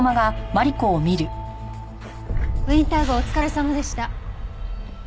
ウィンター号お疲れさまでした。